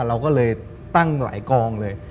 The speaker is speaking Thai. เราก็เลยตั้งหลายกองเลย